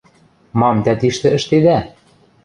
— Мам тӓ тиштӹ ӹштедӓ?